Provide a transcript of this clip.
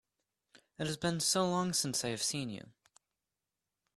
It has been so long since I have seen you!